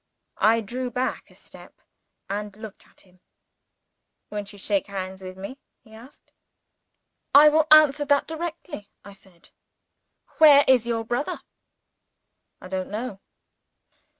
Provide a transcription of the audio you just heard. I drew back a step, and looked at him. "Won't you shake hands with me?" he asked. "I will answer that directly," I said. "Where is your brother?" "I don't know."